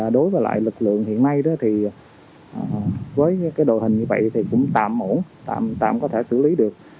đối với lại lực lượng hiện nay với đội hình như vậy thì cũng tạm ổn tạm có thể xử lý được